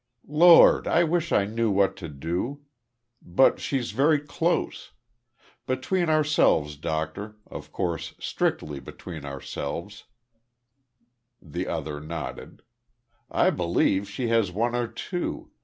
"Lord! I wish I knew what to do. But she's very `close.' Between ourselves, doctor of course, strictly between ourselves " The other nodded. "I believe she has one or two.